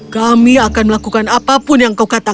kami akan melakukan apapun yang kau katakan